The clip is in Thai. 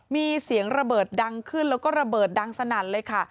มีเสียงระเบิดดังขึ้นแล้วก็ระเบิดดังสนั่นเลยค่ะ